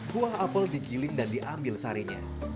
buah apel digiling dan diambil sarinya